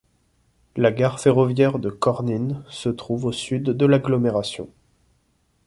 La gare ferroviaire de Kornyn se trouve au sud de l'agglomération.